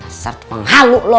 pasar tupeng halu lo